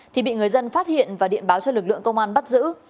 thì bị người dân phát hiện và điện báo cho lực lượng công an bắt giữ